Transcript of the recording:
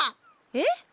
えっ！？